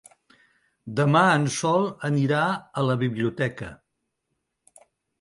Demà en Sol anirà a la biblioteca.